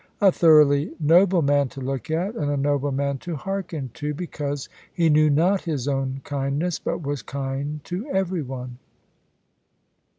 A thoroughly noble man to look at, and a noble man to hearken to, because he knew not his own kindness, but was kind to every one.